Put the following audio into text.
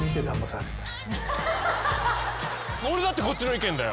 俺だってこっちの意見だよ！